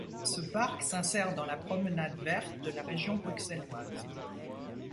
Ce parc s'insère dans la promenade verte de la Région bruxelloise.